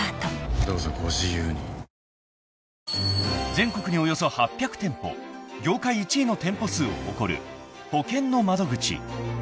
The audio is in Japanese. ［全国におよそ８００店舗業界１位の店舗数を誇るほけんの窓口］